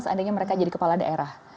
seandainya mereka jadi kepala daerah